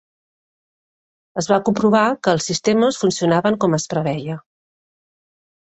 Es va comprovar que els sistemes funcionaven com es preveia.